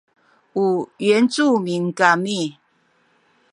u yuancumin kami